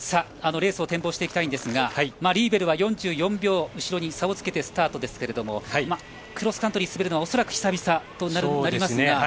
レースを展望していきたいんですがリーベルは４４秒後ろに差をつけてスタートですがクロスカントリーを滑るのは恐らく久々となりますが。